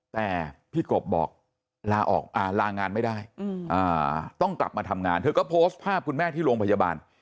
แต่พี่กบบอกลาออกลางานไม่ได้ต้องกลับมาทำงานเธอก็โพสต์ภาพคุณแม่ที่โรงพยาบาล